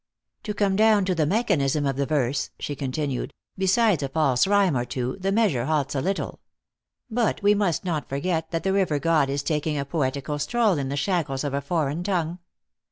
To come down to the mechanism of the verse," she continued, " be sides a false rhyme or two, the measure halts a little. THE ACTEESS IN HIGH LIFE. 313 But we must not forget that the river god is taking a poetical stroll in the shackles of a foreign tongue.